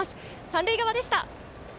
三塁側でした。